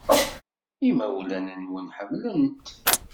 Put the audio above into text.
Imawlan-nwen ḥemmlen-t.